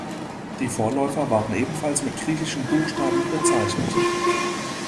Die Vorläufer waren ebenfalls mit griechischen Buchstaben bezeichnet.